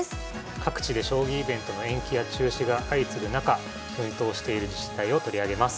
各地で将棋イベントの延期や中止が相次ぐ中奮闘している自治体を取り上げます。